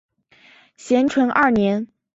咸淳二年。